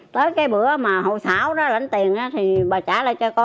tới cái bữa mà hậu xảo đó lãnh tiền thì bà trả lại cho con